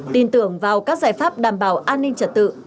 tin tưởng vào các giải pháp đảm bảo an ninh trật tự